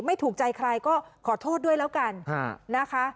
ไม่ถูกใจใครก็ขอโทษด้วยแล้วกันนะคะ